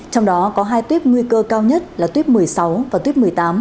trong đó có hai tuyếp nguy cơ cao nhất là tuyếp một mươi sáu và tuyếp một mươi tám